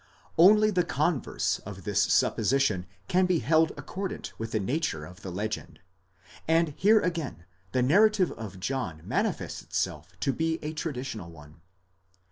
Only the converse of this supposition can be held accordant with the nature of the legend, and here again the narrative of John manifests itself to be a tra ditional one.